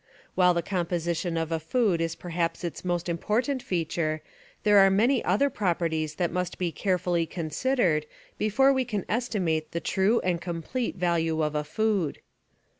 While the composition of a food is perhaps its most im portant feature, there are many other properties that must be carefully considered before we can estimate the true and complete value of a food.